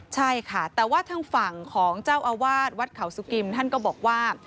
ใช่ค่ะแต่ว่าทางฝั่งของเจ้าอาวาสวัดเขาสุกิมท่านก็บอกว่า